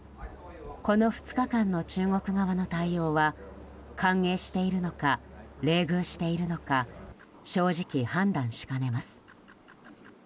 この２日間の中国側の対応は歓迎しているのか冷遇しているのか正直、判断しかねます。